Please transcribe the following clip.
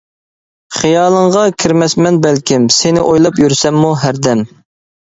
خىيالىڭغا كىرمەسمەن بەلكىم، سىنى ئويلاپ يۈرسەممۇ ھەردەم.